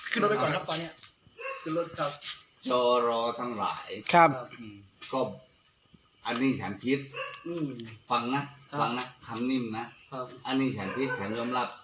ขึ้นรถไปก่อนครับตอนเนี่ย